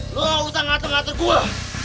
lo usah ngatur ngatur gue